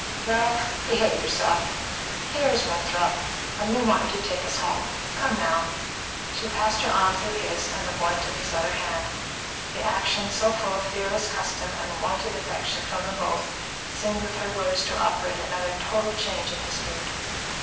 "Ralph, behave yourself! Here's Winthrop, and we want you to take us home. Come now!" She passed her arm through his, and the boy took his other hand. The action, so full of fearless custom and wonted affection from them both, seemed with her words to operate another total change in his mood.